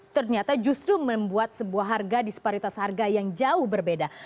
ternyata justru membuat sebuah harga disparitas harga yang jauh berbeda